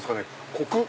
コク！